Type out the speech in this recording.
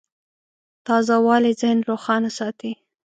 تازهوالی ذهن روښانه ساتي.